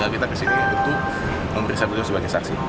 kita kesini untuk memeriksa beliau sebagai saksi